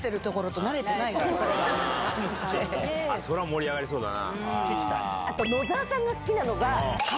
それは盛り上がりそうだな。